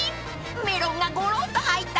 ［メロンがごろっと入った］